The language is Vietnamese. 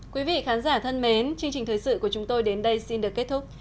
quý vị khán giả thân mến chương trình thời sự của chúng tôi đến đây xin được kết thúc